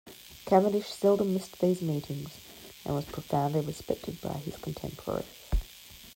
Cavendish seldom missed these meetings, and was profoundly respected by his contemporaries.